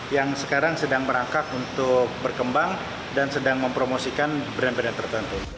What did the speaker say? yang sekarang sedang merangkak untuk berkembang dan sedang mempromosikan brand brand tertentu